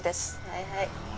はいはい。